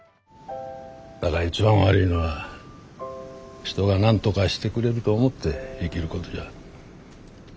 だが一番悪いのは人が何とかしてくれると思って生きることじゃ。